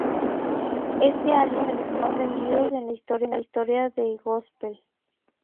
Éste álbum es uno de los más vendidos en la historia del gospel.